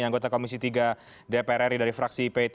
anggota komisi tiga dpr ri dari fraksi p tiga